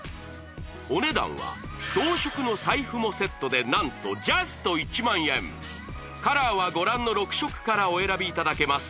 お値段は同色の財布もセットで何とジャスト１万円カラーはご覧の６色からお選びいただけます